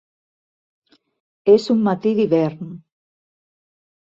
És un matí d'hivern.